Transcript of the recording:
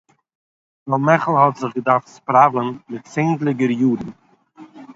ווייל מיכל האָט זיך געדאַרפט ספּראַווען מיט צענדליגער יאָרן